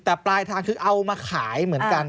แต่ปลายทางคือเอามาขายเหมือนกัน